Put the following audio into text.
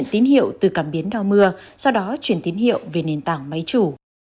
vụ nhận tín hiệu từ cảm biến đo mưa sau đó chuyển tín hiệu về nền tảng máy chủ